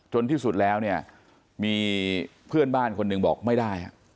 ที่สุดแล้วเนี่ยมีเพื่อนบ้านคนหนึ่งบอกไม่ได้